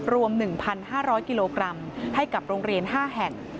รวม๑๕๐๐กิโลกรัมให้กับโรงเรียน๕แห่ง